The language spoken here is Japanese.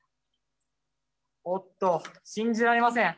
おっと信じられません。